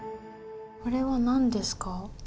これは何ですか？